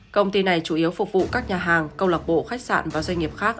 công ty này chủ yếu phục vụ các nhà hàng câu lạc bộ khách sạn và doanh nghiệp khác